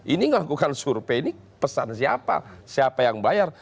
ini melakukan survei ini pesan siapa siapa yang bayar